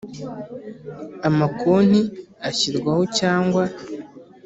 amakonti ashyirwaho cyangwa